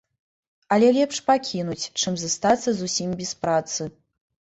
Але лепш пакінуць, чым застацца зусім без працы.